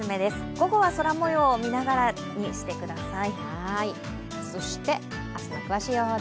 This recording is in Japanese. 午後は空もようを見ながらにしてください。